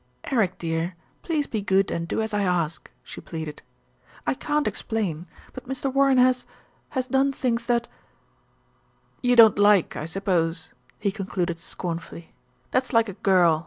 "Eric, dear, please be good and do as I ask," she pleaded. "I can't explain; but Mr. Warren has has done things that " "You don't like, I suppose," he concluded scornfully. "That's like a girl.